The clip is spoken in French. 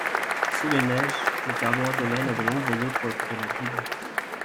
Sous les neiges, le cardeur de laine a de longues veillées pour écouter la Bible.